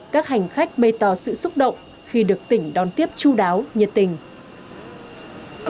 các hành khách bày tỏ sự xúc động khi được tỉnh đón tiếp chú đáo nhiệt tình